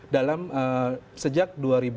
dalam sejak dua ribu dua belas